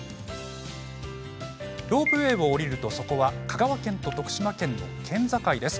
ロープウエーを降りるとそこは香川県と徳島県の県境です。